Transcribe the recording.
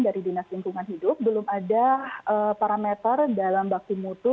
dari dinas lingkungan hidup belum ada parameter dalam bakti mutu